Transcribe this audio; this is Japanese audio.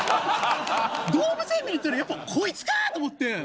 動物園に行ったらやっぱこいつか！と思って。